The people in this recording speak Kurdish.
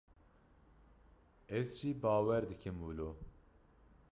Ez jî bawer dikim wilo.